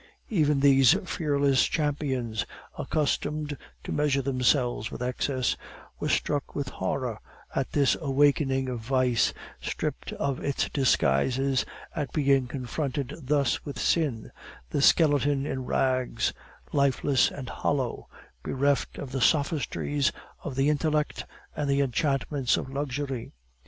Even these fearless champions, accustomed to measure themselves with excess, were struck with horror at this awakening of vice, stripped of its disguises, at being confronted thus with sin, the skeleton in rags, lifeless and hollow, bereft of the sophistries of the intellect and the enchantments of luxury.